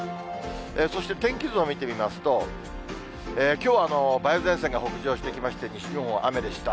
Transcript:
そして天気図を見てみますと、きょうは梅雨前線が北上してきまして、西日本は雨でした。